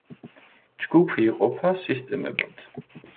ჯგუფი იყოფა სისტემებად.